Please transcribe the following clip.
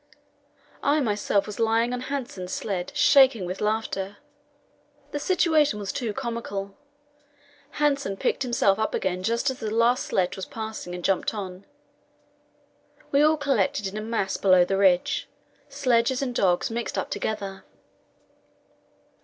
I myself was lying on Hanssen's sledge, shaking with laughter; the situation was too comical. Hanssen picked himself up again just as the last sledge was passing and jumped on. We all collected in a mass below the ridge sledges and dogs mixed up together.